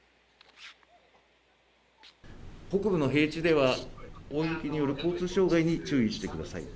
北部の平地では、大雪による交通障害に注意してください。